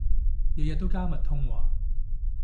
日日都加密通話